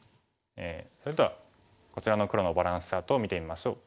それではこちらの黒のバランスチャートを見てみましょう。